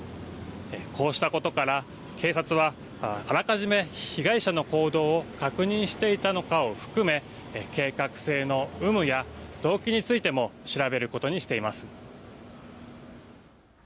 こうしたことから警察はあらかじめ被害者の行動を確認していたのかを含め計画性の有無や動機についても調べることにしています。